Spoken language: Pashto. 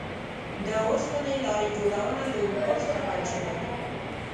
د اوسپنې لارې جوړونه له اروپا څخه پیل شوې ده.